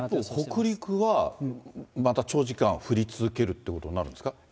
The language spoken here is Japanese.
一方、北陸はまた長時間降り続けるってことになるんですか？